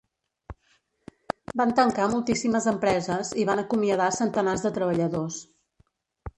Van tancar moltíssimes empreses i van acomiadar centenars de treballadors.